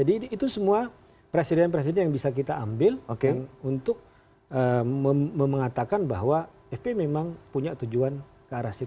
jadi itu semua presiden presiden yang bisa kita ambil untuk mengatakan bahwa fb memang punya tujuan ke arah situ